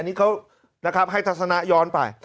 นี่เขานะครับให้ทัศนะย้อนไป